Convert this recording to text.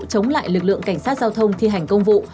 chống lại lực lượng cảnh sát giao thông thi hành công vụ